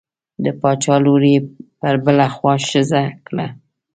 د باچا لور یې پر بله خوا ښخه کړه.